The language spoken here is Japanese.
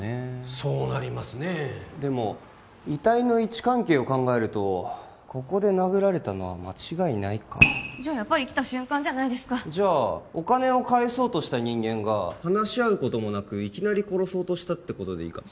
そうなりますねえでも遺体の位置関係を考えるとここで殴られたのは間違いないかやっぱり来た瞬間じゃないですかじゃあお金を返そうとした人間が話し合うこともなくいきなり殺そうとしたってことでいいかな？